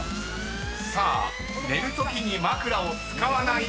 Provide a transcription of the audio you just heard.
［さあ寝るときに枕を使わない人は？］